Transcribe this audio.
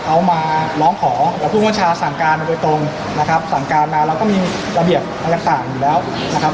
เอามาร้องของแล้วผู้คนชาวสั่งการไปตรงนะครับสั่งการมาแล้วก็มีระเบียบต่างอยู่แล้วนะครับ